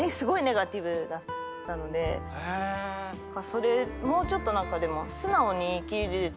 それもうちょっと何かでも。